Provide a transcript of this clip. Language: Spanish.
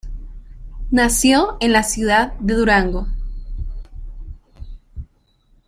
Nació en la ciudad de Durango.